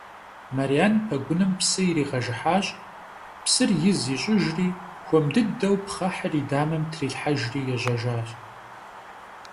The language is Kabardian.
Мэрян пэгуным псы иригъэжыхьащ, псыр из ищӀыжри хуэм дыдэу пхъэхьыр и дамэм трилъхьэжри ежьэжащ.